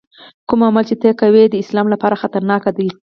کوم عمل چې ته یې کوې د اسلام لپاره خطرناک دی.